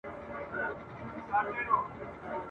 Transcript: رنګین ګلونه پر ګرېوانه سول ..